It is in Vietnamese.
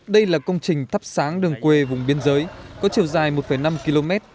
đây là công trình thắp sáng đường quê vùng biên giới có chiều dài một năm km